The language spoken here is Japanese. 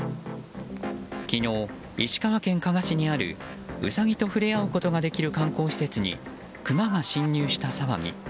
昨日、石川県加賀市にあるウサギと触れ合うことができる観光施設にクマが侵入した騒ぎ。